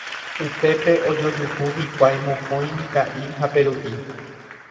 Upépe ojojuhu hikuái mokõi mitã'i ha Peru'i.